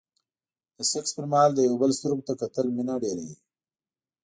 د سکس پر مهال د يو بل سترګو ته کتل مينه ډېروي.